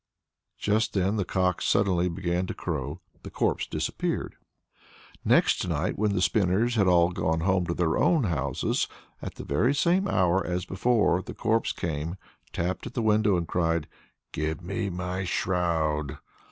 Just then the cocks suddenly began to crow. The corpse disappeared. Next night, when the spinners had all gone home to their own houses, at the very same hour as before, the corpse came, tapped at the window, and cried: "Give me my shroud!"